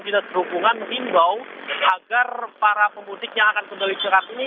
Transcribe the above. juga berhubungan mengimbau agar para pemutik yang akan kembali ke jalan ini